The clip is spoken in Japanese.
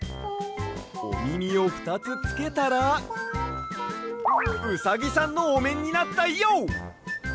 おみみをふたつつけたらうさぎさんのおめんになったＹＯ！